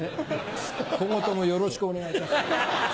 今後ともよろしくお願いいたします。